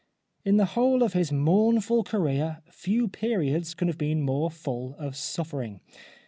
In the whole of his mournful career few periods can have been more full of suffering.